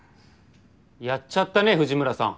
やっちゃったね藤村さん。